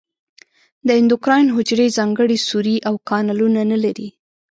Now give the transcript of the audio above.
د اندوکراین حجرې ځانګړي سوري او کانالونه نه لري.